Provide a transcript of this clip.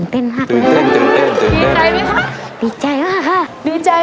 เป็นยังไงดิ